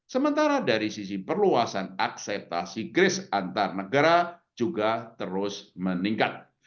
sementara dari sisi perluasan akseptasi kris antar negara juga terus meningkat